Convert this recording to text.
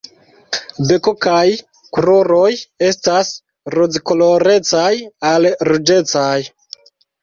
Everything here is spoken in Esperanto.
Beko kaj kruroj estas rozkolorecaj al ruĝecaj.